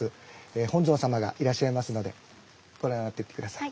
本尊様がいらっしゃいますのでご覧になっていって下さい。